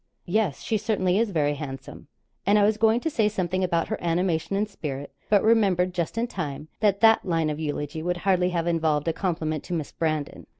'Yes, she certainly is very handsome,' and I was going to say something about her animation and spirit, but remembered just in time, that that line of eulogy would hardly have involved a compliment to Miss Brandon.